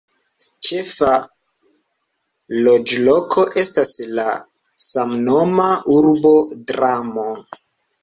Ĉefa loĝloko estas la samnoma urbo "Dramo".